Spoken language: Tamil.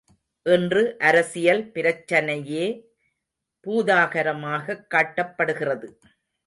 இன்று அரசியல் பிரச்சனையே பூதாகரமாகக் காட்டப்படுகிறது.